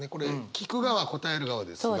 聞く側答える側ですが。